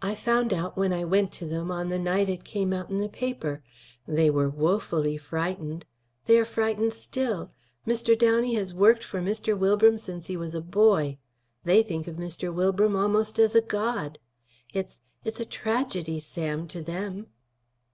"I found out when I went to them, on the night it came out in the paper. They were woefully frightened. They are frightened still. Mr. Downey has worked for Mr. Wilbram since he was a boy. They think of Mr. Wilbram almost as a god. It's it's a tragedy, Sam, to them."